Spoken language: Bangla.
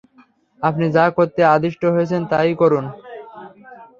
আপনি যা করতে আদিষ্ট হয়েছেন তা-ই করুন!